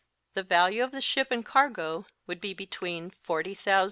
The value of the ship and cargo would be between 4O,ooo